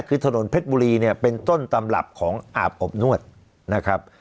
คือถนนเพชรบุรีเนี่ยเป็นต้นตำรับของอาบอบนวดนะครับ